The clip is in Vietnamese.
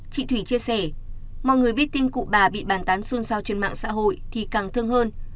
chị thủy chia sẻ mọi người biết tin cụ bà bị bàn tán xuân sao trên mạng xã hội thì càng thương hơn